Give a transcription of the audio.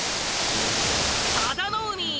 佐田の海。